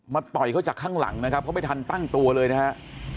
ต่อยเขาจากข้างหลังนะครับเขาไม่ทันตั้งตัวเลยนะฮะ